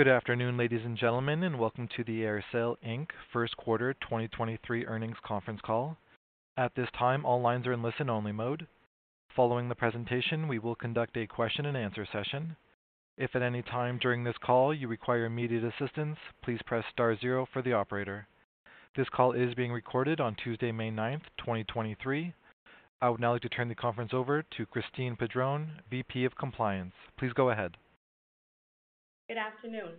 Good afternoon, ladies and gentlemen, and welcome to the AerSale Inc. First Quarter 2023 Earnings Conference Call. At this time, all lines are in listen-only mode. Following the presentation, we will conduct a question-and-answer session. If at any time during this call you require immediate assistance, please press star zero for the operator. This call is being recorded on Tuesday, May 9th, 2023. I would now like to turn the conference over to Christine Padron, VP of Compliance. Please go ahead. Good afternoon.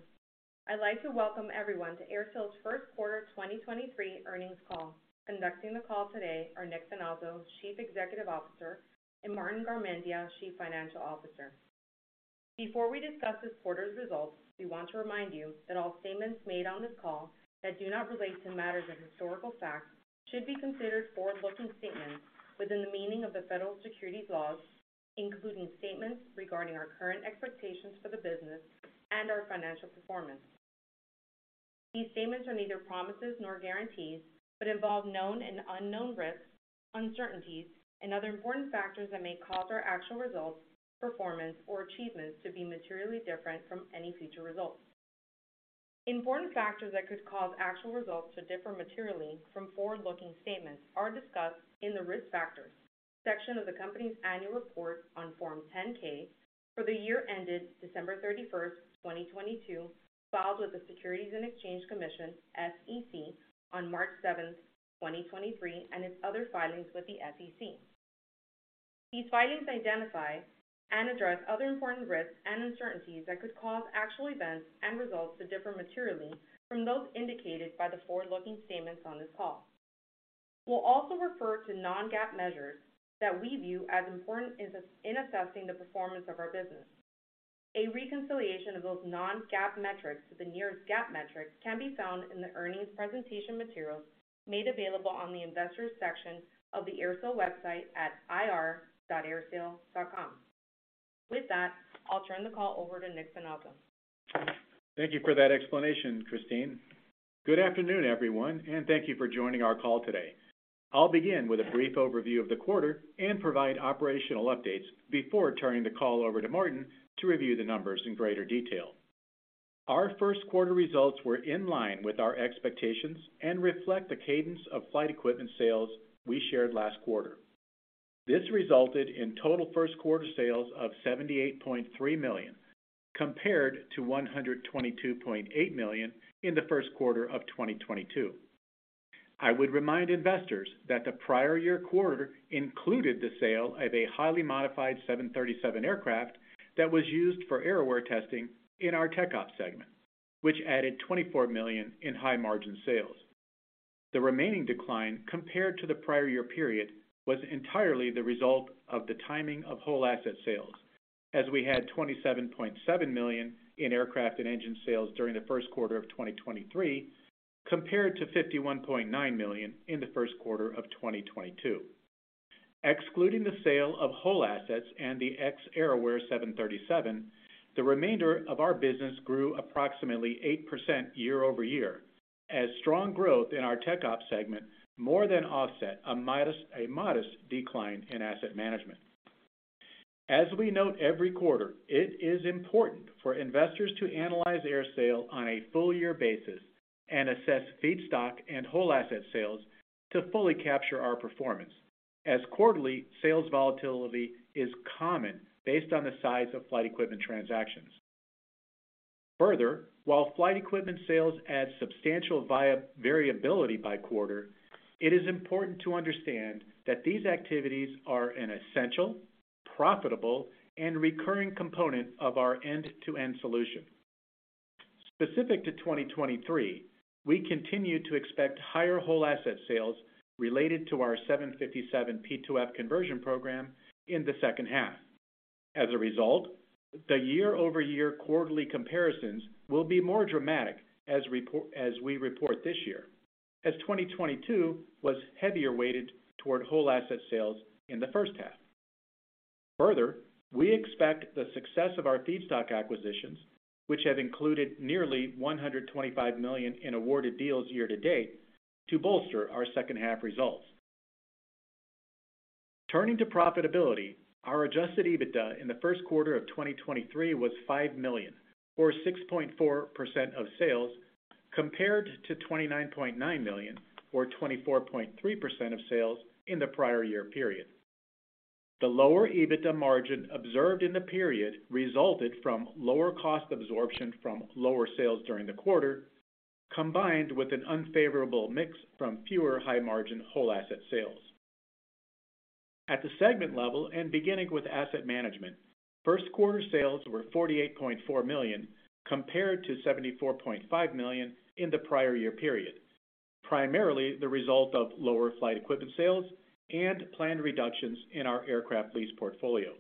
I'd like to welcome everyone to AerSale's First Quarter 2023 earnings call. Conducting the call today are Nick Finazzo, Chief Executive Officer, and Martin Garmendia, Chief Financial Officer. Before we discuss this quarter's results, we want to remind you that all statements made on this call that do not relate to matters of historical fact should be considered forward-looking statements within the meaning of the Federal Securities laws, including statements regarding our current expectations for the business and our financial performance. These statements are neither promises nor guarantees, but involve known and unknown risks, uncertainties, and other important factors that may cause our actual results, performance, or achievements to be materially different from any future results. Important factors that could cause actual results to differ materially from forward-looking statements are discussed in the Risk Factors section of the company's annual report on Form 10-K for the year ended December 31st, 2022, filed with the Securities and Exchange Commission, SEC, on March 7th, 2023, and its other filings with the SEC. These filings identify and address other important risks and uncertainties that could cause actual events and results to differ materially from those indicated by the forward-looking statements on this call. We'll also refer to Non-GAAP measures that we view as important in assessing the performance of our business. A reconciliation of those Non-GAAP metrics to the nearest GAAP metrics can be found in the earnings presentation materials made available on the Investors section of the AerSale website at ir.aersale.com. With that, I'll turn the call over to Nick Finazzo. Thank you for that explanation, Christine. Good afternoon, everyone. Thank you for joining our call today. I'll begin with a brief overview of the quarter and provide operational updates before turning the call over to Martin to review the numbers in greater detail. Our first quarter results were in line with our expectations and reflect the cadence of flight equipment sales we shared last quarter. This resulted in total first quarter sales of $78.3 million, compared to $122.8 million in the first quarter of 2022. I would remind investors that the prior year quarter included the sale of a highly modified 737 aircraft that was used for AerAware testing in our TechOps segment, which added $24 million in high-margin sales. The remaining decline compared to the prior year period was entirely the result of the timing of whole asset sales, as we had $27.7 million in aircraft and engine sales during the first quarter of 2023, compared to $51.9 million in the first quarter of 2022. Excluding the sale of whole assets and the ex-AerAware 737, the remainder of our business grew approximately 8% year-over-year, as strong growth in our TechOps segment more than offset a modest decline in asset management. As we note every quarter, it is important for investors to analyze AerSale on a full year basis and assess feedstock and whole asset sales to fully capture our performance, as quarterly sales volatility is common based on the size of flight equipment transactions. While flight equipment sales add substantial variability by quarter, it is important to understand that these activities are an essential, profitable, and recurring component of our end-to-end solution. Specific to 2023, we continue to expect higher whole asset sales related to our 757 P2F conversion program in the second half. As a result, the year-over-year quarterly comparisons will be more dramatic as we report this year, as 2022 was heavier weighted toward whole asset sales in the first half. We expect the success of our feedstock acquisitions, which have included nearly $125 million in awarded deals year to date, to bolster our second half results. Turning to profitability, our adjusted EBITDA in the first quarter of 2023 was $5 million, or 6.4% of sales, compared to $29.9 million, or 24.3% of sales in the prior year period. The lower EBITDA margin observed in the period resulted from lower cost absorption from lower sales during the quarter, combined with an unfavorable mix from fewer high-margin whole asset sales. Beginning with asset management, first quarter sales were $48.4 million, compared to $74.5 million in the prior year period, primarily the result of lower flight equipment sales and planned reductions in our aircraft lease portfolio.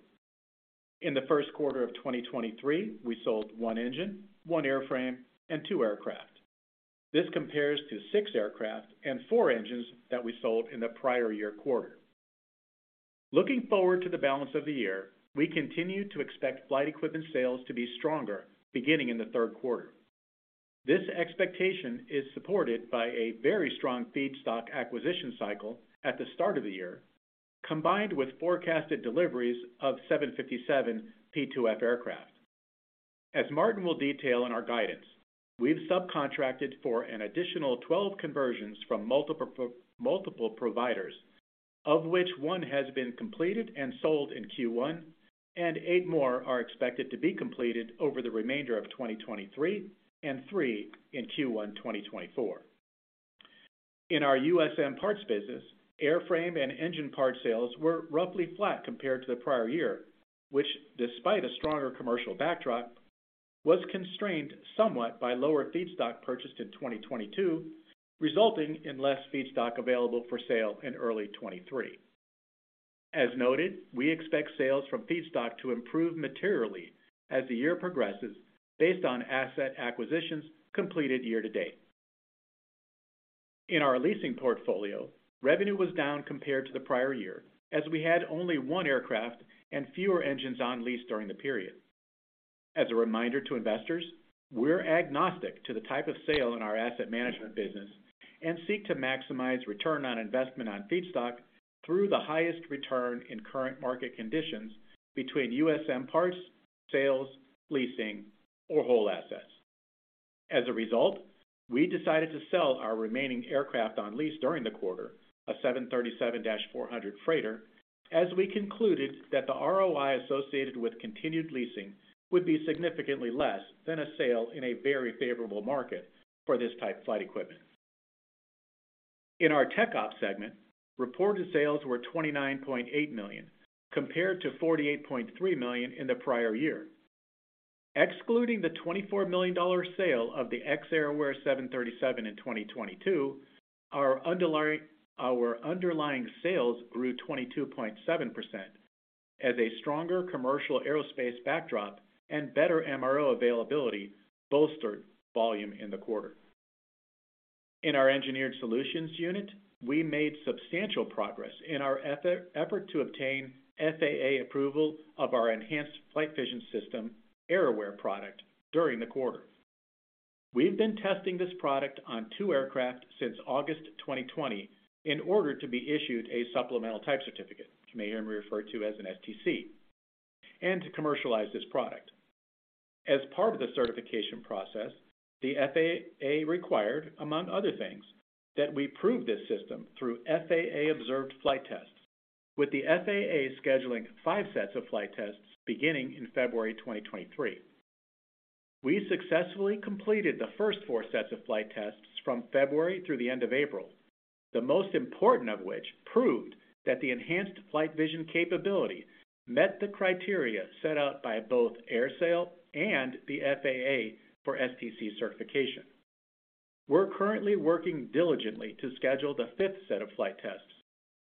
In the first quarter of 2023, we sold one engine, one airframe, and two aircraft. This compares to six aircraft and four engines that we sold in the prior year quarter. Looking forward to the balance of the year, we continue to expect flight equipment sales to be stronger beginning in the third quarter. This expectation is supported by a very strong feedstock acquisition cycle at the start of the year, combined with forecasted deliveries of 757 P2F aircraft. As Martin will detail in our guidance, we've subcontracted for an additional 12 conversions from multiple providers, of which one has been completed and sold in Q1, and eight more are expected to be completed over the remainder of 2023, and three in Q1 2024. In our USM Parts business, airframe and engine part sales were roughly flat compared to the prior year, which despite a stronger commercial backdrop, was constrained somewhat by lower feedstock purchased in 2022, resulting in less feedstock available for sale in early 2023. As noted, we expect sales from feedstock to improve materially as the year progresses based on asset acquisitions completed year to date. In our leasing portfolio, revenue was down compared to the prior year as we had only one aircraft and fewer engines on lease during the period. As a reminder to investors, we're agnostic to the type of sale in our asset management business and seek to maximize ROI on feedstock through the highest return in current market conditions between USM parts, sales, leasing, or whole assets. As a result, we decided to sell our remaining aircraft on lease during the quarter, a 737-400 freighter, as we concluded that the ROI associated with continued leasing would be significantly less than a sale in a very favorable market for this type of flight equipment. In our TechOps segment, reported sales were $29.8 million, compared to $48.3 million in the prior year. Excluding the $24 million sale of the ex-AerAware 737 in 2022, our underlying sales grew 22.7% as a stronger commercial aerospace backdrop and better MRO availability bolstered volume in the quarter. In our engineered solutions unit, we made substantial progress in our effort to obtain FAA approval of our Enhanced Flight Vision System, AerAware product, during the quarter. We've been testing this product on 2 aircraft since August 2020 in order to be issued a supplemental type certificate, you may hear me refer to as an STC, and to commercialize this product. As part of the certification process, the FAA required, among other things, that we prove this system through FAA-observed flight tests, with the FAA scheduling five sets of flight tests beginning in February 2023. We successfully completed the first four sets of flight tests from February through the end of April, the most important of which proved that the enhanced flight vision capability met the criteria set out by both AerSale and the FAA for STC certification. We're currently working diligently to schedule the fifth set of flight tests,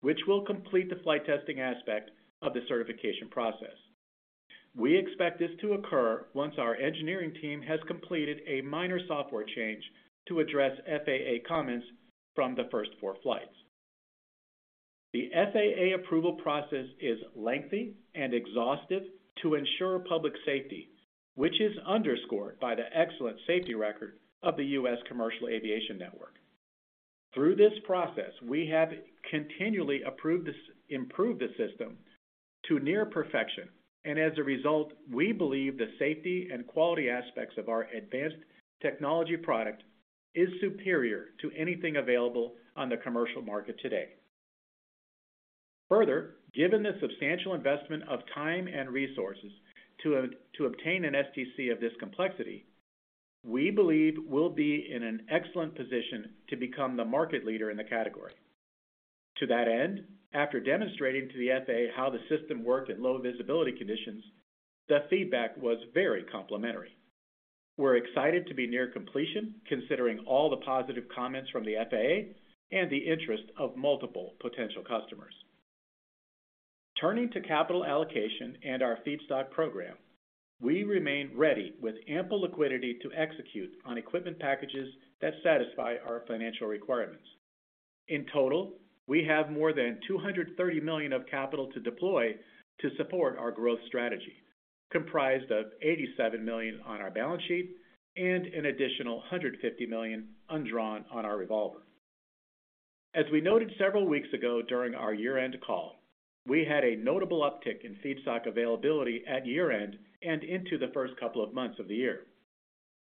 which will complete the flight testing aspect of the certification process. We expect this to occur once our engineering team has completed a minor software change to address FAA comments from the first four flights. The FAA approval process is lengthy and exhaustive to ensure public safety, which is underscored by the excellent safety record of the US Commercial Aviation Network. Through this process, we have continually improved the system to near perfection. As a result, we believe the safety and quality aspects of our advanced technology product is superior to anything available on the commercial market today. Further, given the substantial investment of time and resources to obtain an STC of this complexity, we believe we'll be in an excellent position to become the market leader in the category. To that end, after demonstrating to the FAA how the system worked in low visibility conditions, the feedback was very complimentary. We're excited to be near completion considering all the positive comments from the FAA and the interest of multiple potential customers. Turning to capital allocation and our feedstock program, we remain ready with ample liquidity to execute on equipment packages that satisfy our financial requirements. In total, we have more than $230 million of capital to deploy to support our growth strategy, comprised of $87 million on our balance sheet and an additional $150 million undrawn on our revolver. As we noted several weeks ago during our year-end call, we had a notable uptick in feedstock availability at year-end and into the first couple of months of the year.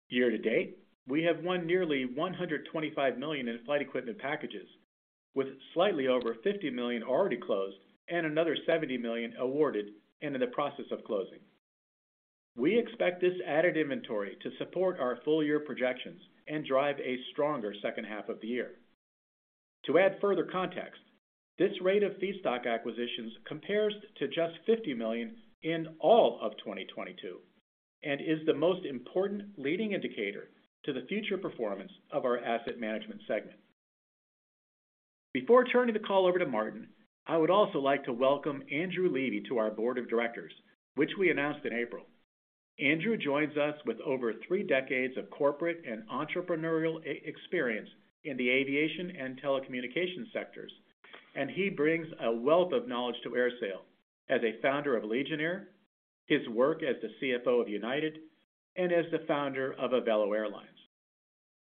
Year to date, we have won nearly $125 million in flight equipment packages, with slightly over $50 million already closed and another $70 million awarded and in the process of closing. We expect this added inventory to support our full year projections and drive a stronger second half of the year. To add further context, this rate of feedstock acquisitions compares to just $50 million in all of 2022 and is the most important leading indicator to the future performance of our asset management segment. Before turning the call over to Martin, I would also like to welcome Andrew Levy to our Board of Directors, which we announced in April. Andrew joins us with over three decades of corporate and entrepreneurial e-experience in the aviation and telecommunications sectors. He brings a wealth of knowledge to AerSale as a founder of Allegiant Air, his work as the CFO of United, and as the founder of Avelo Airlines.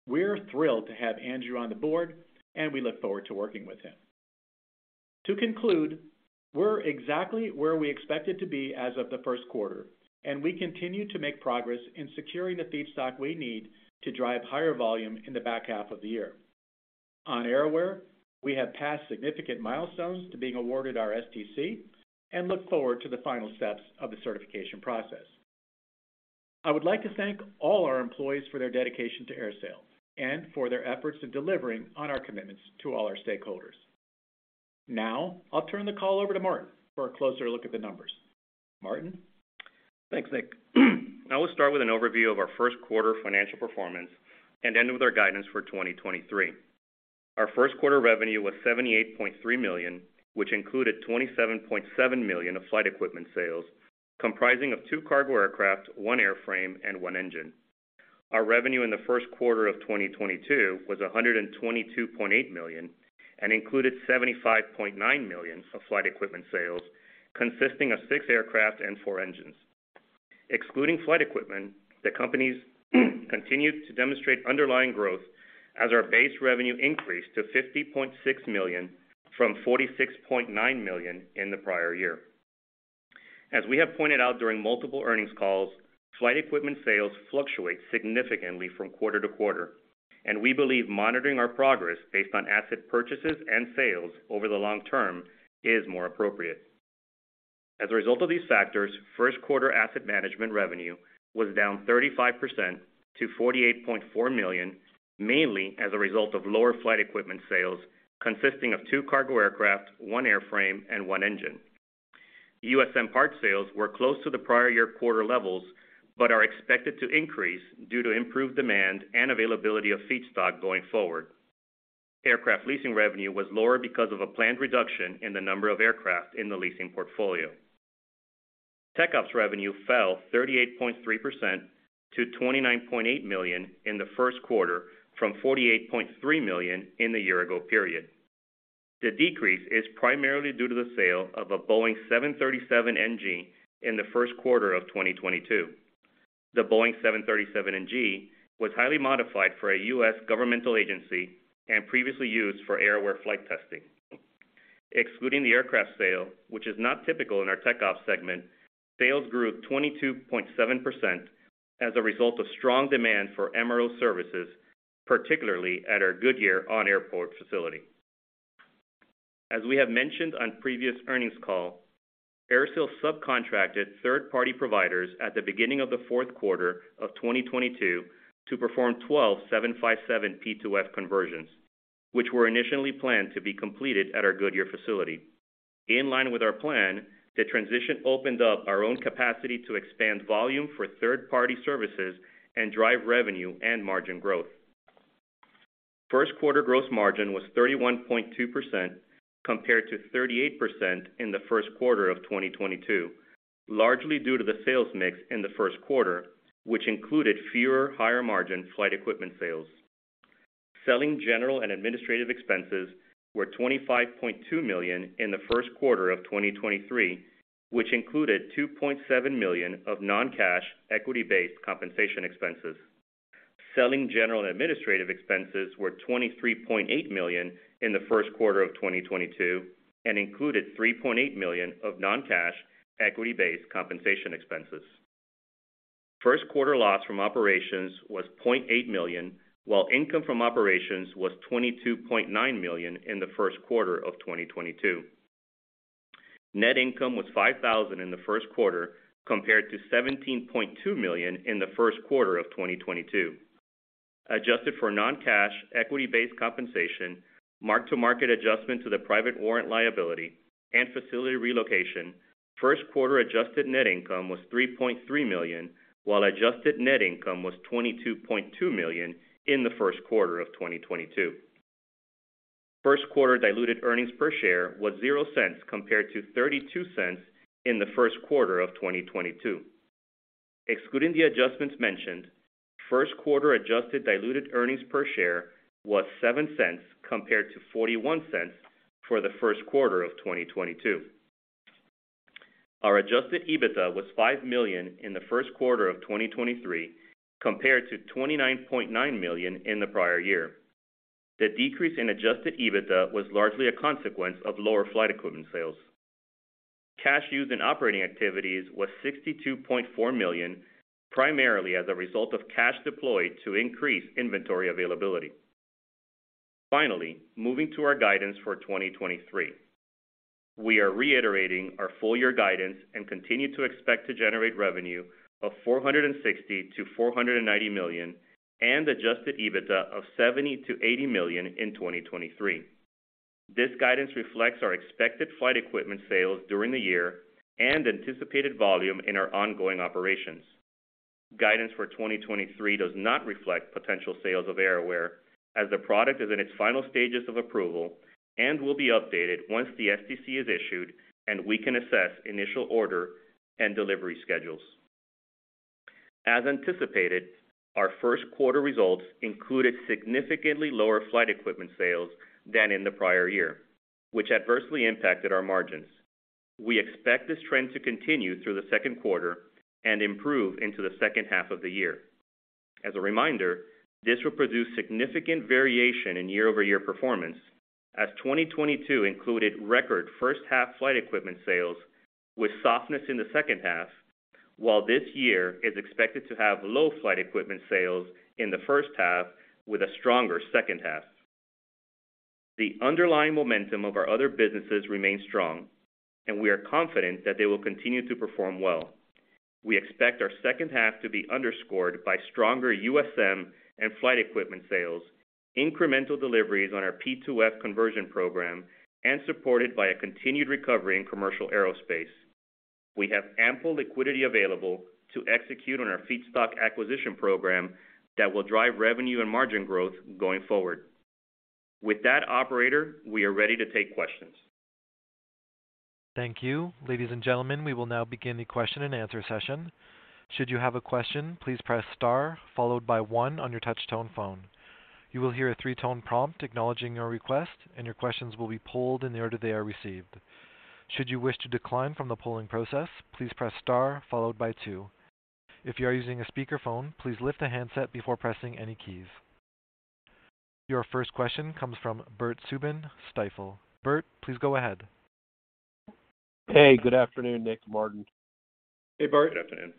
We're thrilled to have Andrew on the Board, and we look forward to working with him. To conclude, we're exactly where we expected to be as of the first quarter. We continue to make progress in securing the feedstock we need to drive higher volume in the back half of the year. On AerAware, we have passed significant milestones to being awarded our STC and look forward to the final steps of the certification process. I would like to thank all our employees for their dedication to AerSale and for their efforts in delivering on our commitments to all our stakeholders. I'll turn the call over to Martin for a closer look at the numbers. Martin? Thanks, Nick. I will start with an overview of our first quarter financial performance and end with our guidance for 2023. Our first quarter revenue was $78.3 million, which included $27.7 million of flight equipment sales comprising of two cargo aircraft, one airframe, and one engine. Our revenue in the first quarter of 2022 was $122.8 million and included $75.9 million of flight equipment sales consisting of six aircraft and four engines. Excluding flight equipment, the companies continued to demonstrate underlying growth as our base revenue increased to $50.6 million from $46.9 million in the prior year. As we have pointed out during multiple earnings calls, flight equipment sales fluctuate significantly from quarter to quarter, and we believe monitoring our progress based on asset purchases and sales over the long-term is more appropriate. As a result of these factors, first quarter asset management revenue was down 35% to $48.4 million, mainly as a result of lower flight equipment sales consisting of two cargo aircraft, one airframe, and one engine. USM parts sales were close to the prior year quarter levels, but are expected to increase due to improved demand and availability of feedstock going forward. Aircraft leasing revenue was lower because of a planned reduction in the number of aircraft in the leasing portfolio. Tech Ops revenue fell 38.3% to $29.8 million in the first quarter from $48.3 million in the year ago period. The decrease is primarily due to the sale of a Boeing 737NG in the first quarter of 2022. The Boeing 737NG was highly modified for a U.S. governmental agency and previously used for AerAware flight testing. Excluding the aircraft sale, which is not typical in our TechOps segment, sales grew 22.7% as a result of strong demand for MRO services, particularly at our Goodyear on-airport facility. We have mentioned on previous earnings call, AerSale subcontracted third-party providers at the beginning of Q4 2022 to perform 12 757 P2F conversions, which were initially planned to be completed at our Goodyear facility. In line with our plan, the transition opened up our own capacity to expand volume for third-party services and drive revenue and margin growth. First quarter gross margin was 31.2% compared to 38% in the first quarter of 2022, largely due to the sales mix in the first quarter, which included fewer higher margin flight equipment sales. Selling, General and Administrative expenses were $25.2 million in the first quarter of 2023, which included $2.7 million of non-cash equity-based compensation expenses. Selling, General and Administrative expenses were $23.8 million in the first quarter of 2022 and included $3.8 million of non-cash equity-based compensation expenses. First quarter loss from operations was $0.8 million, while income from operations was $22.9 million in the first quarter of 2022. Net income was $5,000 in the first quarter compared to $17.2 million in the first quarter of 2022. Adjusted for non-cash equity-based compensation, mark-to-market adjustment to the private warrant liability, and facility relocation, first quarter adjusted net income was $3.3 million, while adjusted net income was $22.2 million in the first quarter of 2022. First quarter diluted earnings per share was $0.00 compared to $0.32 in the first quarter of 2022. Excluding the adjustments mentioned, first quarter adjusted diluted earnings per share was $0.07 compared to $0.41 for the first quarter of 2022. Our adjusted EBITDA was $5 million in the first quarter of 2023 compared to $29.9 million in the prior year. The decrease in adjusted EBITDA was largely a consequence of lower flight equipment sales. Cash used in operating activities was $62.4 million, primarily as a result of cash deployed to increase inventory availability. Moving to our guidance for 2023. We are reiterating our full year guidance and continue to expect to generate revenue of $460 million-$490 million and adjusted EBITDA of $70 million-$80 million in 2023. This guidance reflects our expected flight equipment sales during the year and anticipated volume in our ongoing operations. Guidance for 2023 does not reflect potential sales of AerAware as the product is in its final stages of approval and will be updated once the STC is issued and we can assess initial order and delivery schedules. As anticipated, our first quarter results included significantly lower flight equipment sales than in the prior year, which adversely impacted our margins. We expect this trend to continue through the second quarter and improve into the second half of the year. As a reminder, this will produce significant variation in year-over-year performance as 2022 included record first half flight equipment sales with softness in the second half, while this year is expected to have low flight equipment sales in the first half with a stronger second half. The underlying momentum of our other businesses remains strong, and we are confident that they will continue to perform well. We expect our second half to be underscored by stronger USM and flight equipment sales, incremental deliveries on our P2F conversion program, and supported by a continued recovery in commercial aerospace. We have ample liquidity available to execute on our feedstock acquisition program that will drive revenue and margin growth going forward. With that operator, we are ready to take questions. Thank you. Ladies and gentlemen, we will now begin the question and answer session. Should you have a question, please press star followed by one on your touch tone phone. You will hear a three-tone prompt acknowledging your request, and your questions will be polled in the order they are received. Should you wish to decline from the polling process, please press star followed by two. If you are using a speakerphone, please lift the handset before pressing any keys. Your first question comes from Bert Subin, Stifel. Bert, please go ahead. Hey, good afternoon, Nick, Martin. Hey, Bert. Good afternoon.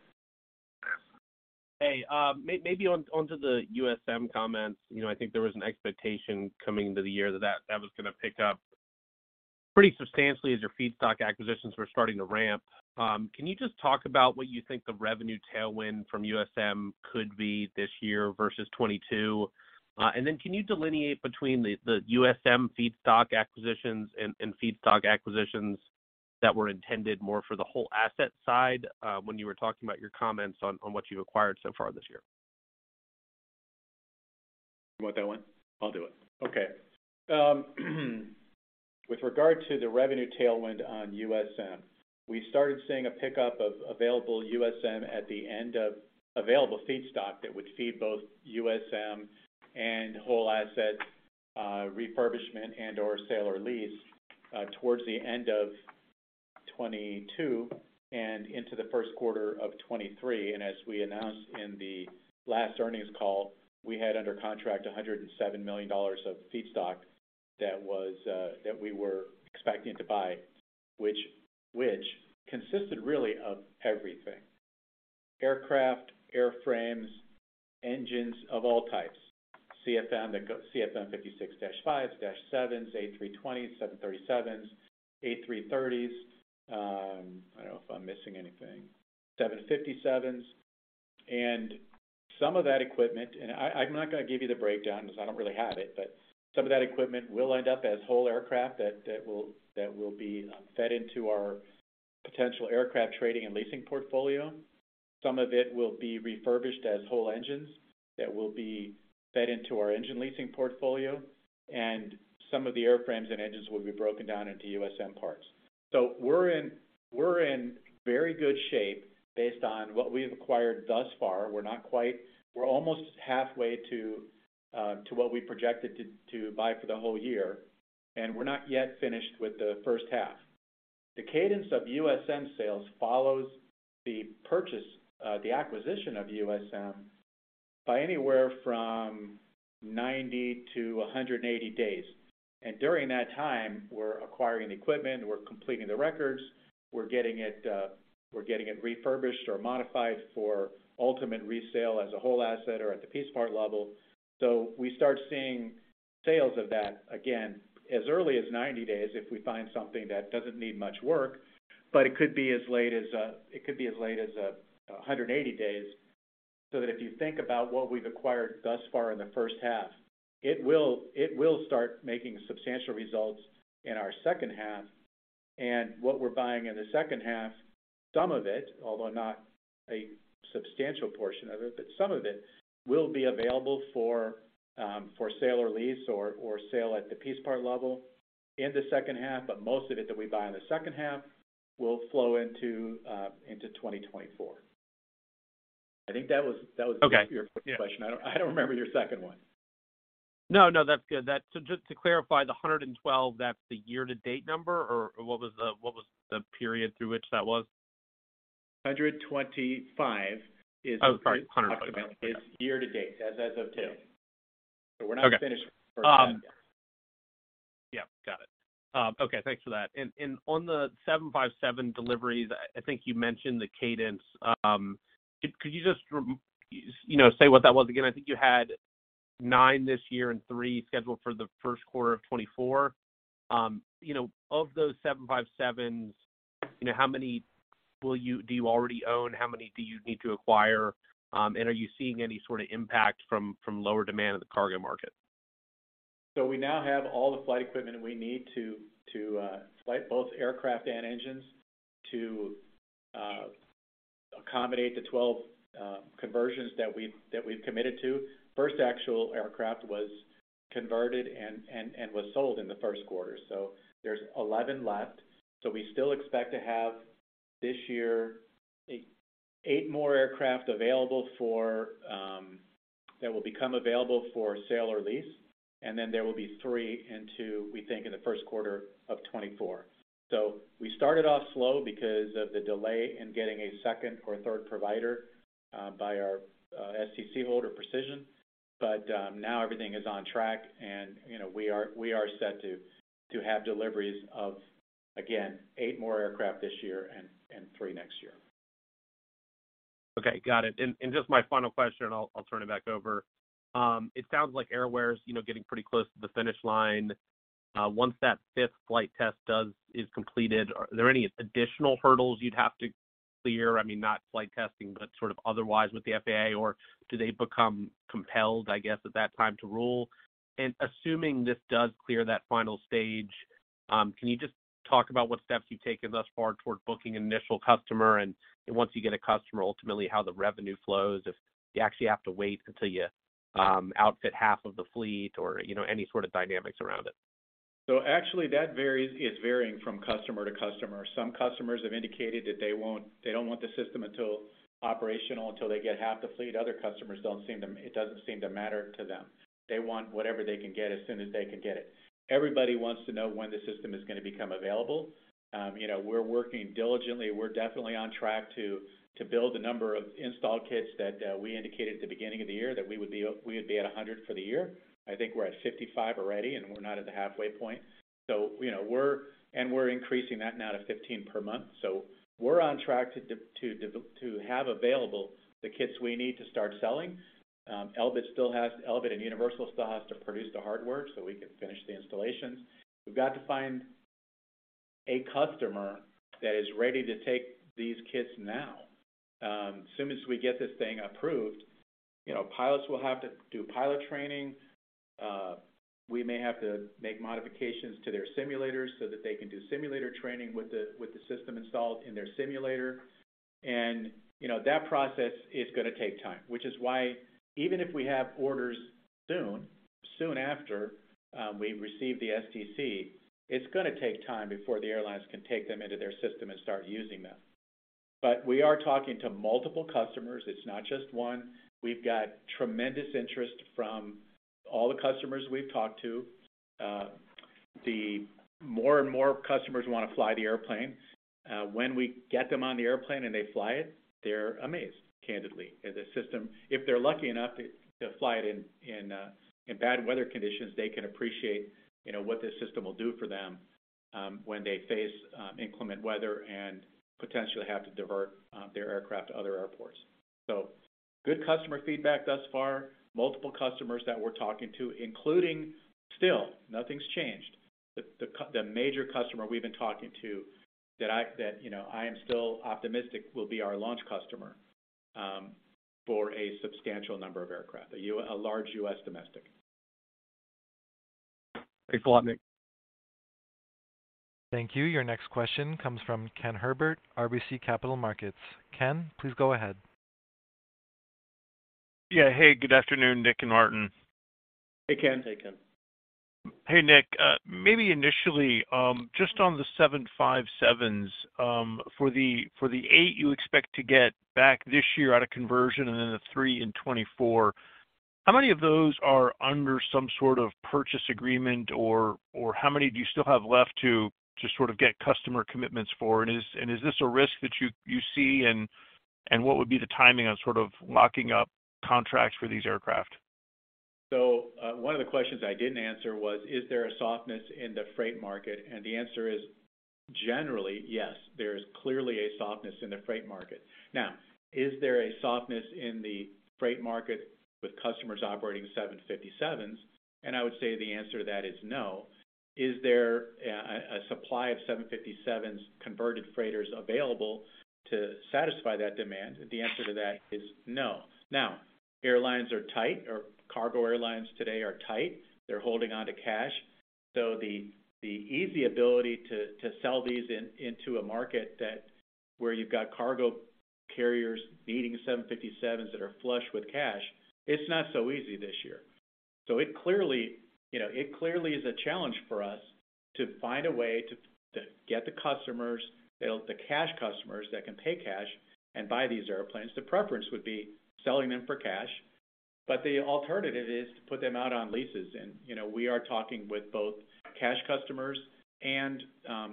Maybe onto the USM comments. You know, I think there was an expectation coming into the year that that was going to pick up pretty substantially as your feedstock acquisitions were starting to ramp. Can you just talk about what you think the revenue tailwind from USM could be this year versus 2022? Can you delineate between the USM feedstock acquisitions and feedstock acquisitions that were intended more for the whole asset side, when you were talking about your comments on what you've acquired so far this year? You want that one? I'll do it. Okay. With regard to the revenue tailwind on USM, we started seeing a pickup of available USM at the end of available feedstock that would feed both USM and whole assets, refurbishment and/or sale or lease, towards the end of 2022 and into the first quarter of 2023. As we announced in the last earnings call, we had under contract $107 million of feedstock that was that we were expecting to buy, which consisted really of everything. Aircraft, airframes, engines of all types. CFM, the CFM56-5, -7, A320, 737s, A330s. I don't know if I'm missing anything. 757s. Some of that equipment, and I'm not going to give you the breakdown because I don't really have it, but some of that equipment will end up as whole aircraft that will be fed into our potential aircraft trading and leasing portfolio. Some of it will be refurbished as whole engines that will be fed into our engine leasing portfolio, and some of the airframes and engines will be broken down into USM parts. We're in very good shape based on what we've acquired thus far. We're almost halfway to what we projected to buy for the whole year, and we're not yet finished with the first half. The cadence of USM sales follows the purchase, the acquisition of USM by anywhere from 90 to 180 days. During that time, we're acquiring equipment, we're completing the records, we're getting it, we're getting it refurbished or modified for ultimate resale as a whole asset or at the piece part level. We start seeing sales of that again as early as 90 days if we find something that doesn't need much work, but it could be as late as 180 days. If you think about what we've acquired thus far in the first half, it will start making substantial results in our second half. What we're buying in the second half, some of it, although not a substantial portion of it, but some of it, will be available for sale or lease or sale at the piece part level in the second half. Most of it that we buy in the second half will flow into 2024. I think that was. Okay. Yeah... your question. I don't remember your second one. No, no, that's good. Just to clarify, the 112, that's the year-to-date number or what was the period through which that was? 125 Sorry. $125. is year to date as of two. Okay. We're not finished for that yet. Yeah. Got it. Okay, thanks for that. On the 757 deliveries, I think you mentioned the cadence. Could you just you know, say what that was again? I think you had 9 nine this year and three scheduled for the first quarter of 2024. You know, of those 757s, you know, how many do you already own? How many do you need to acquire? Are you seeing any sort of impact from lower demand in the cargo market? We now have all the flight equipment we need to flight both aircraft and engines to accommodate the 12 conversions that we've committed to. First actual aircraft was converted and was sold in the first quarter. There's 11 left. We still expect to have this year eight more aircraft available for that will become available for sale or lease. Then there will be three in two, we think, in the first quarter of 2024. We started off slow because of the delay in getting a second or third provider by our STC holder Precision Aircraft Solutions. Now everything is on track and, you know, we are set to have deliveries of, again, eight more aircraft this year and three next year. Okay. Got it. Just my final question, I'll turn it back over. It sounds like AerAware's, you know, getting pretty close to the finish line. Once that fifth flight test is completed, are there any additional hurdles you'd have to clear? I mean, not flight testing, but sort of otherwise with the FAA, or do they become compelled, I guess, at that time to rule? Assuming this does clear that final stage, can you just talk about what steps you've taken thus far toward booking an initial customer, and once you get a customer, ultimately how the revenue flows if you actually have to wait until you outfit half of the fleet or, you know, any sort of dynamics around it. Actually that varies. It's varying from customer to customer. Some customers have indicated that they don't want the system until operational, until they get half the fleet. Other customers it doesn't seem to matter to them. They want whatever they can get as soon as they can get it. Everybody wants to know when the system is going to become available. You know, we're working diligently. We're definitely on track to build the number of installed kits that we indicated at the beginning of the year that we would be at 100 for the year. I think we're at 55 already, and we're not at the halfway point. You know, and we're increasing that now to 15 per month. We're on track to have available the kits we need to start selling. Elbit and Universal still has to produce the hardware so we can finish the installations. We've got to find a customer that is ready to take these kits now. As soon as we get this thing approved, you know, pilots will have to do pilot training. We may have to make modifications to their simulators so that they can do simulator training with the, with the system installed in their simulator. You know, that process is gonna take time, which is why even if we have orders soon after, we receive the STC, it's gonna take time before the airlines can take them into their system and start using them. We are talking to multiple customers. It's not just one. We've got tremendous interest from all the customers we've talked to. The more and more customers want to fly the airplane. When we get them on the airplane and they fly it, they're amazed, candidly, at the system. If they're lucky enough to fly it in bad weather conditions, they can appreciate, you know, what this system will do for them when they face inclement weather and potentially have to divert their aircraft to other airports. Good customer feedback thus far. Multiple customers that we're talking to, including still, nothing's changed. The major customer we've been talking to that you know, I am still optimistic will be our launch customer for a substantial number of aircraft, a large U.S. domestic. Thanks a lot, Nick. Thank you. Your next question comes from Ken Herbert, RBC Capital Markets. Ken, please go ahead. Yeah. Hey, good afternoon, Nick and Martin. Hey, Ken. Hey, Ken. Hey, Nick. Maybe initially, just on the 757s, for the, for the eight you expect to get back this year out of conversion and then the three in 2024, how many of those are under some sort of purchase agreement or how many do you still have left to sort of get customer commitments for? Is this a risk that you see? What would be the timing on sort of locking up contracts for these aircraft? One of the questions I didn't answer was, is there a softness in the freight market? The answer is, generally, yes, there is clearly a softness in the freight market. Is there a softness in the freight market with customers operating 757s? I would say the answer to that is no. Is there a supply of 757s converted freighters available to satisfy that demand? The answer to that is no. Airlines are tight, or cargo airlines today are tight. They're holding onto cash. The easy ability to sell these into a market that where you've got cargo carriers needing 757s that are flush with cash, it's not so easy this year. it clearly, you know, it clearly is a challenge for us to find a way to get the customers, build the cash customers that can pay cash and buy these airplanes. The preference would be selling them for cash, but the alternative is to put them out on leases. you know, we are talking with both cash customers and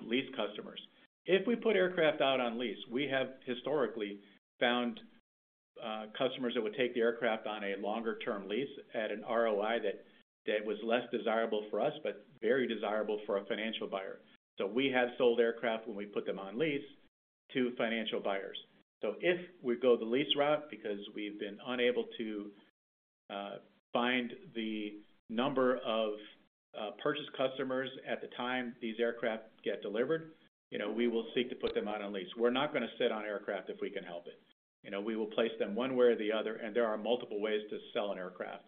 lease customers. If we put aircraft out on lease, we have historically found customers that would take the aircraft on a longer-term lease at an ROI that was less desirable for us, but very desirable for a financial buyer. we have sold aircraft when we put them on lease to financial buyers. If we go the lease route because we've been unable to find the number of purchase customers at the time these aircraft get delivered, you know, we will seek to put them out on lease. We're not gonna sit on aircraft if we can help it. You know, we will place them one way or the other, and there are multiple ways to sell an aircraft.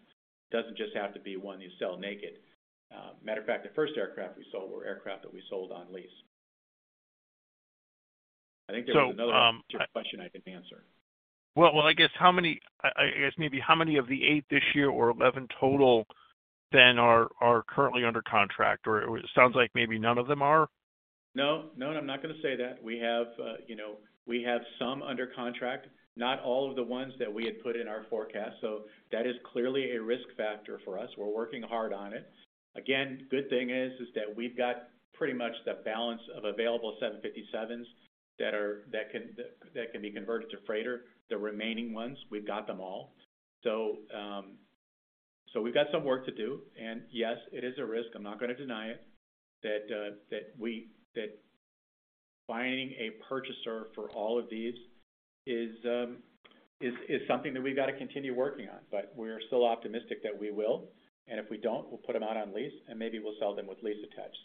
It doesn't just have to be one you sell naked. Matter of fact, the first aircraft we sold were aircraft that we sold on lease. I think there was another question I can answer. Well, I guess how many, I guess maybe how many of the eight this year or 11 total then are currently under contract? It sounds like maybe none of them are. No, no, I'm not gonna say that. We have, you know, we have some under contract, not all of the ones that we had put in our forecast. That is clearly a risk factor for us. We're working hard on it. Again, good thing is that we've got pretty much the balance of available 757s that can be converted to freighter. The remaining ones, we've got them all. We've got some work to do, and yes, it is a risk. I'm not gonna deny it that buying a purchaser for all of these is something that we've got to continue working on. We're still optimistic that we will, and if we don't, we'll put them out on lease and maybe we'll sell them with lease attached.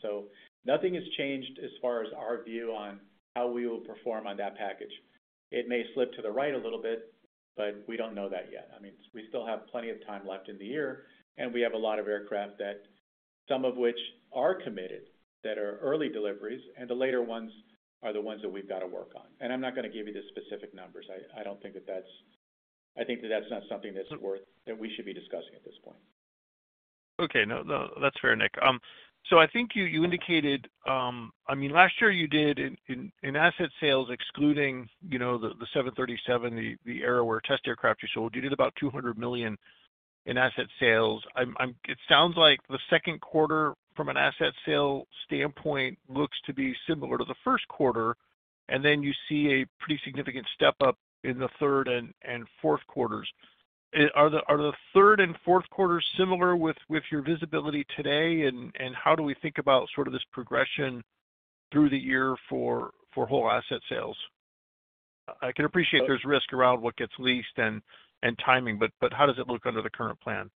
Nothing has changed as far as our view on how we will perform on that package. It may slip to the right a little bit, but we don't know that yet. I mean, we still have plenty of time left in the year, and we have a lot of aircraft that some of which are committed, that are early deliveries, and the later ones are the ones that we've got to work on. I'm not gonna give you the specific numbers. I don't think that that's not something that's worth, that we should be discussing at this point. Okay. No, no, that's fair, Nick. I think you indicated, I mean, last year you did in asset sales excluding, you know, the 737, the AerAware test aircraft you sold, you did about $200 million in asset sales. It sounds like the second quarter from an asset sale standpoint looks to be similar to the first quarter. Then you see a pretty significant step up in the third and fourth quarters. Are the third and fourth quarters similar with your visibility today, and how do we think about sort of this progression through the year for whole asset sales? I can appreciate there's risk around what gets leased and timing, but how does it look under the current plan?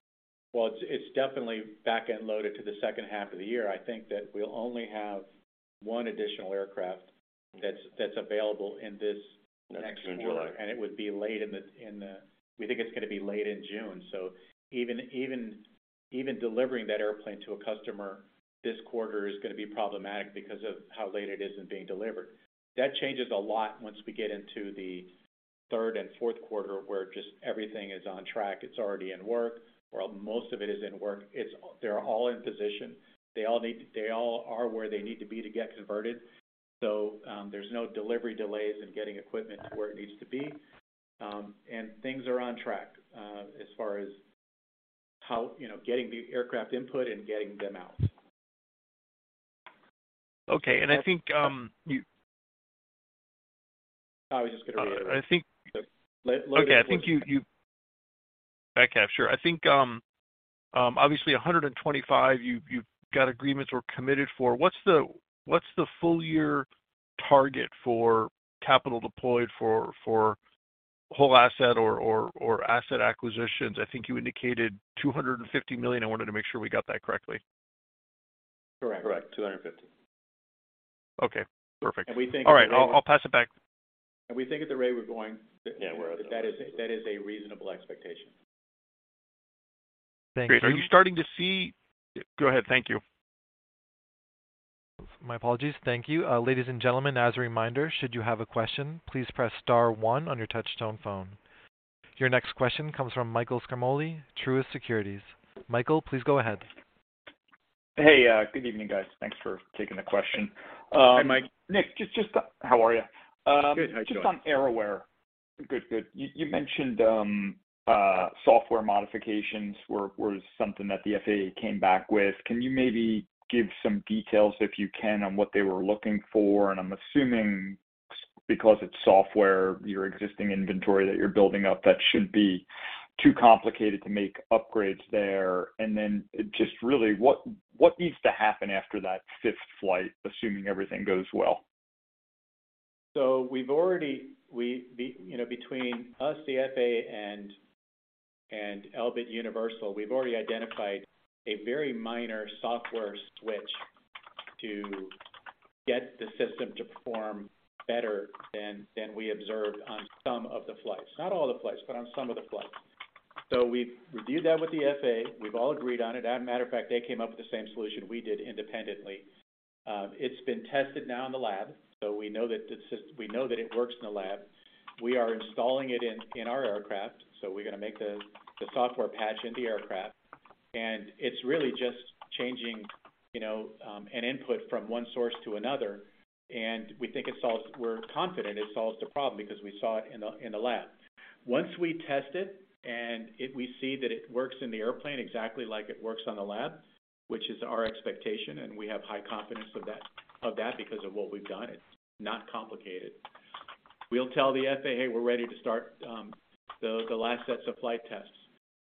Well, it's definitely back-end loaded to the second half of the year. I think that we'll only have 1 additional aircraft that's available in this next quarter. In July. We think it's gonna be late in June. Even delivering that airplane to a customer this quarter is gonna be problematic because of how late it is in being delivered. That changes a lot once we get into the third and fourth quarter, where just everything is on track. It's already in work. Well, most of it is in work. They're all in position. They all are where they need to be to get converted. There's no delivery delays in getting equipment to where it needs to be. Things are on track, as far as how, you know, getting the aircraft input and getting them out. Okay. I think. I was just. I think- Go ahead. Okay. I think you backhalf. Sure. I think, obviously $125, you've got agreements or committed for. What's the full year target for capital deployed for whole asset or asset acquisitions? I think you indicated $250 million. I wanted to make sure we got that correctly. Correct. $250. Okay. Perfect. we think- All right. I'll pass it back. We think at the rate we're going- Yeah. That is a reasonable expectation. Thank you. Are you starting to see... Go ahead. Thank you. My apologies. Thank you. Ladies and gentlemen, as a reminder, should you have a question, please press star 1 on your touch tone phone. Your next question comes from Michael Ciarmoli, Truist Securities. Michael, please go ahead. Hey, good evening, guys. Thanks for taking the question. Hey, Mike. Nick, just... How are ya? Good. How you doing? Just on AerAware. Good, good. You mentioned software modifications was something that the FAA came back with. Can you maybe give some details, if you can, on what they were looking for? I'm assuming because it's software, your existing inventory that you're building up, that shouldn't be too complicated to make upgrades there. Then just really what needs to happen after that fifth flight, assuming everything goes well? We've already, you know, between us, the FAA and Elbit Universal, we've already identified a very minor software switch to get the system to perform better than we observed on some of the flights. Not all the flights, but on some of the flights. We've reviewed that with the FAA. We've all agreed on it. As a matter of fact, they came up with the same solution we did independently. It's been tested now in the lab, so we know that it works in the lab. We are installing it in our aircraft, so we're gonna make the software patch in the aircraft. It's really just changing, you know, an input from one source to another. We're confident it solves the problem because we saw it in the lab. Once we test it and we see that it works in the airplane exactly like it works on the lab, which is our expectation, and we have high confidence of that because of what we've done, it's not complicated. We'll tell the FAA we're ready to start the last sets of flight tests.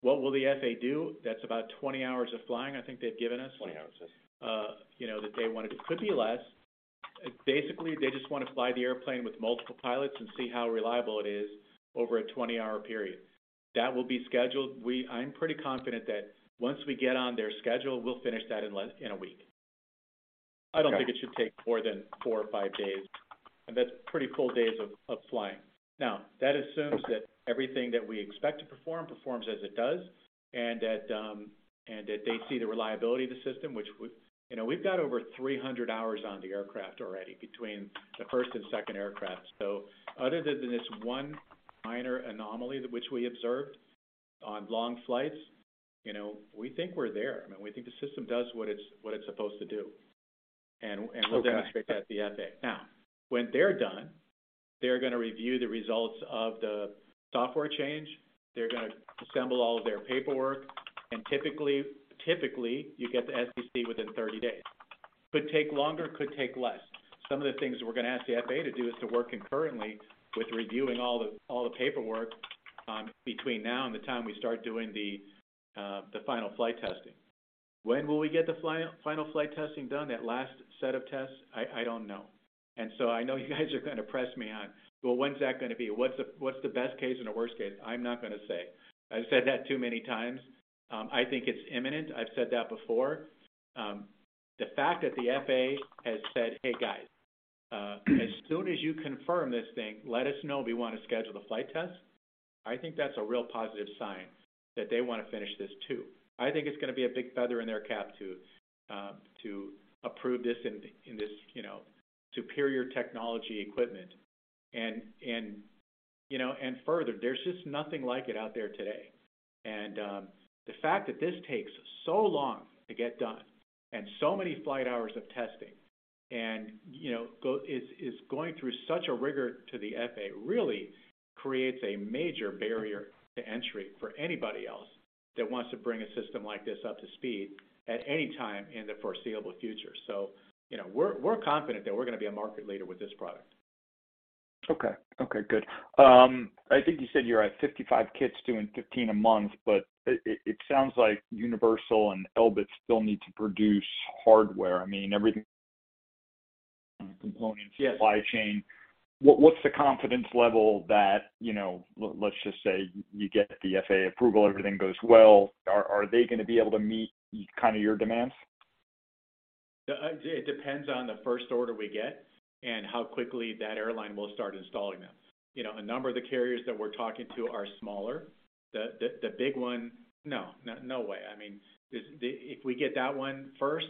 What will the FAA do? That's about 20 hours of flying I think they've given us. 20 hours, yes. You know, that they wanted. It could be less. Basically, they just wanna fly the airplane with multiple pilots and see how reliable it is over a 20-hour period. That will be scheduled. I'm pretty confident that once we get on their schedule, we'll finish that in less in one week. Okay. I don't think it should take more than four to five days, and that's pretty full days of flying. That assumes that everything that we expect to perform performs as it does, and that they see the reliability of the system, which you know, we've got over 300 hours on the aircraft already between the first and second aircraft. Other than this one minor anomaly that which we observed on long flights, you know, we think we're there, and we think the system does what it's supposed to do. Okay. We'll demonstrate that to the FAA. When they're done, they're gonna review the results of the software change. They're gonna assemble all of their paperwork, and typically, you get the FCC within 30 days. Could take longer, could take less. Some of the things we're gonna ask the FAA to do is to work concurrently with reviewing all the paperwork between now and the time we start doing the final flight testing. When will we get the final flight testing done, that last set of tests? I don't know. I know you guys are gonna press me on, "Well, when's that gonna be? What's the, what's the best case and the worst case?" I'm not gonna say. I've said that too many times. I think it's imminent. I've said that before. The fact that the FAA has said, "Hey, guys, as soon as you confirm this thing, let us know. We wanna schedule the flight test," I think that's a real positive sign that they wanna finish this too. I think it's gonna be a big feather in their cap to approve this in this, you know, superior technology equipment. Further, there's just nothing like it out there today. The fact that this takes so long to get done and so many flight hours of testing and, you know, is going through such a rigor to the FAA really creates a major barrier to entry for anybody else that wants to bring a system like this up to speed at any time in the foreseeable future. You know, we're confident that we're gonna be a market leader with this product. Okay. Okay, good. I think you said you're at 55 kits doing 15 a month, but it sounds like Universal and Elbit still need to produce hardware. I mean, everything- Yeah. -component supply chain. What's the confidence level that, you know, let's just say you get the FAA approval, everything goes well? Are they gonna be able to meet kind of your demands? It depends on the first order we get and how quickly that airline will start installing them. You know, a number of the carriers that we're talking to are smaller. The big one, no. No way. I mean, If we get that one first,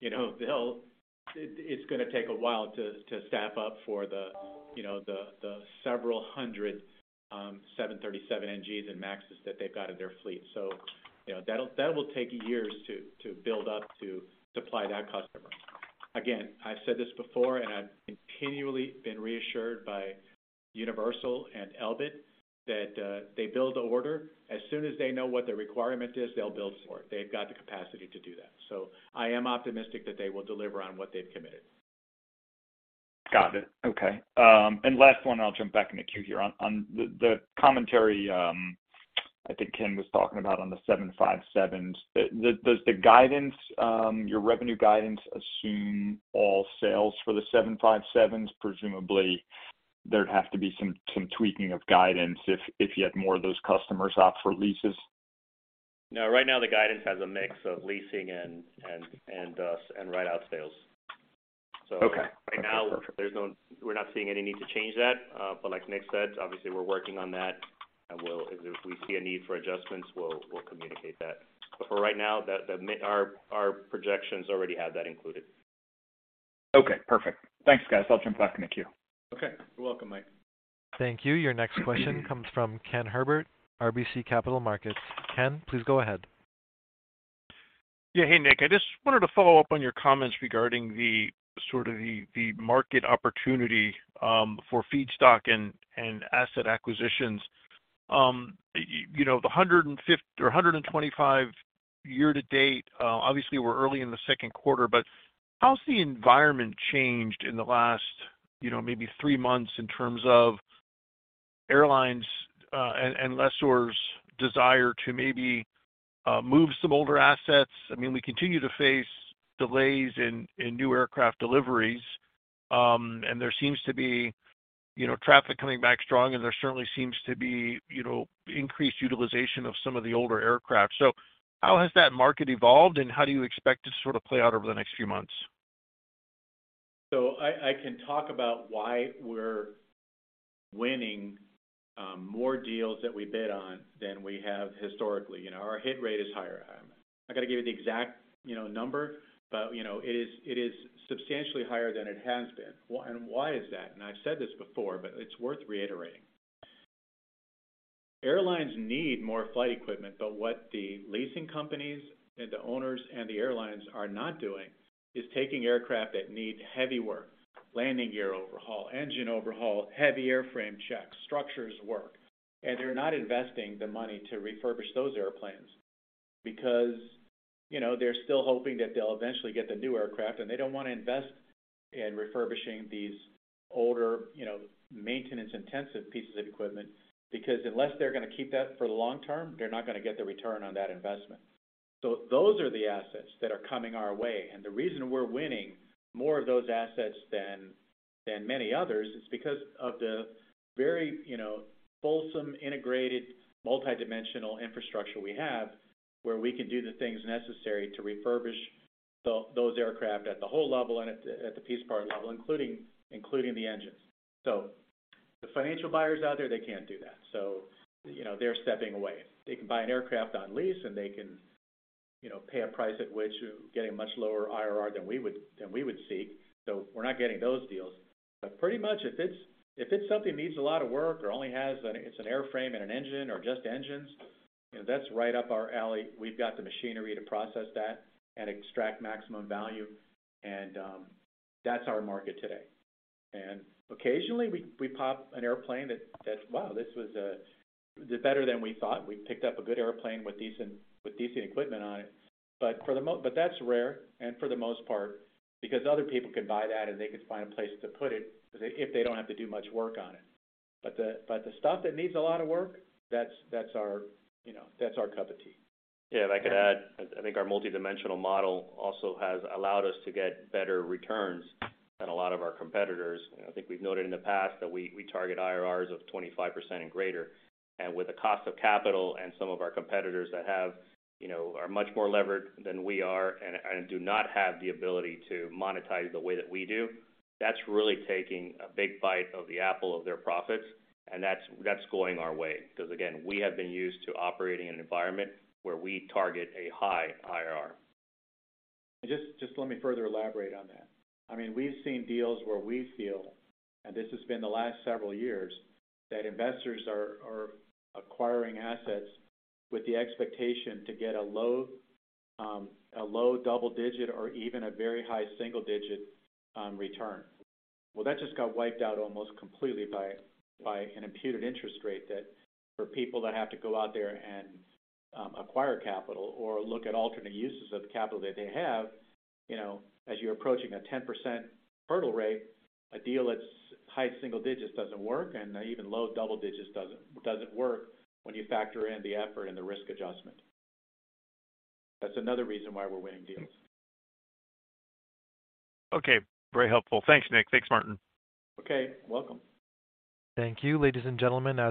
you know, It's gonna take a while to staff up for the, you know, several hundred 737 NGs and MAXes that they've got in their fleet. You know, that will take years to build up to supply that customer. Again, I've said this before, I've continually been reassured by Universal and Elbit that they build to order. As soon as they know what the requirement is, they'll build for it. They've got the capacity to do that. I am optimistic that they will deliver on what they've committed. Got it. Okay. Last one, and I'll jump back in the queue here. On the commentary, I think Ken was talking about on the 757s. Does the guidance, your revenue guidance assume all sales for the 757s? Presumably, there'd have to be some tweaking of guidance if you had more of those customers opt for leases. No. Right now, the guidance has a mix of leasing and, and write out sales. Okay. Right now, we're not seeing any need to change that. Like Nick said, obviously, we're working on that, and we'll, if we see a need for adjustments, we'll communicate that. For right now, the, our projections already have that included. Okay, perfect. Thanks, guys. I'll jump back in the queue. Okay. You're welcome, Mike. Thank you. Your next question comes from Ken Herbert, RBC Capital Markets. Ken, please go ahead. Yeah. Hey, Nick. I just wanted to follow up on your comments regarding the sort of the market opportunity for feedstock and asset acquisitions. You know, the 125 year to date, obviously, we're early in the second quarter, but how's the environment changed in the last, you know, maybe three months in terms of airlines' and lessors' desire to maybe move some older assets? I mean, we continue to face delays in new aircraft deliveries, and there seems to be, you know, traffic coming back strong, and there certainly seems to be, you know, increased utilization of some of the older aircraft. How has that market evolved, and how do you expect it to sort of play out over the next few months? I can talk about why we're winning, more deals that we bid on than we have historically. You know, our hit rate is higher. I'm not gonna give you the exact, you know, number, but, you know, it is substantially higher than it has been. Why is that? I've said this before, but it's worth reiterating. Airlines need more flight equipment, but what the leasing companies and the owners and the airlines are not doing is taking aircraft that need heavy work, landing gear overhaul, engine overhaul, heavy airframe checks, structures work, and they're not investing the money to refurbish those airplanes because, you know, they're still hoping that they'll eventually get the new aircraft, and they don't wanna invest in refurbishing these older, you know, maintenance intensive pieces of equipment. Unless they're gonna keep that for the long-term, they're not gonna get the return on that investment. Those are the assets that are coming our way, and the reason we're winning more of those assets than many others is because of the very, you know, fulsome, integrated, multidimensional infrastructure we have, where we can do the things necessary to refurbish those aircraft at the whole level and at the piece part level, including the engines. The financial buyers out there, they can't do that, so, you know, they're stepping away. They can buy an aircraft on lease, and they can, you know, pay a price at which you're getting a much lower IRR than we would seek. We're not getting those deals. Pretty much if it's, if it's something needs a lot of work or only has an, it's an airframe and an engine or just engines, you know, that's right up our alley. We've got the machinery to process that and extract maximum value, and, that's our market today. Occasionally we pop an airplane that wow, this was better than we thought. We picked up a good airplane with decent equipment on it, but that's rare and for the most part, because other people can buy that, and they can find a place to put it if they don't have to do much work on it. The stuff that needs a lot of work, that's our, you know, that's our cup of tea. Yeah. If I could add, I think our multidimensional model also has allowed us to get better returns than a lot of our competitors. You know, I think we've noted in the past that we target IRRs of 25% and greater. With the cost of capital and some of our competitors that have, you know, are much more levered than we are and do not have the ability to monetize the way that we do, that's really taking a big bite of the apple of their profits, and that's going our way. 'Cause again, we have been used to operating in an environment where we target a high IRR. Just let me further elaborate on that. I mean, we've seen deals where we feel, and this has been the last several years, that investors are acquiring assets with the expectation to get a low, a low double-digit or even a very high single-digit return. Well, that just got wiped out almost completely by an imputed interest rate that for people that have to go out there and acquire capital or look at alternate uses of the capital that they have, you know, as you're approaching a 10% hurdle rate, a deal that's high single-digits doesn't work, and even low double-digits doesn't work when you factor in the effort and the risk adjustment. That's another reason why we're winning deals. Okay. Very helpful. Thanks, Nick. Thanks, Martin. Okay. Welcome. Thank you. Ladies and gentlemen, I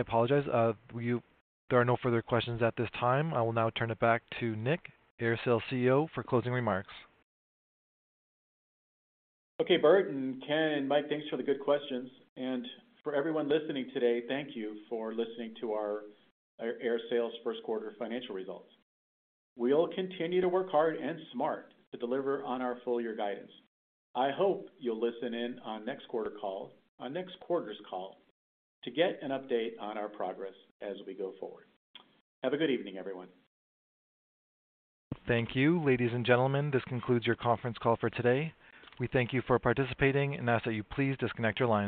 apologize, there are no further questions at this time. I will now turn it back to Nick, AerSale's CEO, for closing remarks. Okay. Bert and Ken and Mike, thanks for the good questions. For everyone listening today, thank you for listening to our AerSale's first quarter financial results. We'll continue to work hard and smart to deliver on our full year guidance. I hope you'll listen in on next quarter's call to get an update on our progress as we go forward. Have a good evening, everyone. Thank you. Ladies and gentlemen, this concludes your conference call for today. We thank you for participating and ask that you please disconnect your lines.